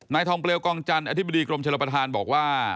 ทองเปลวกองจันทร์อธิบดีกรมชลประธานบอกว่า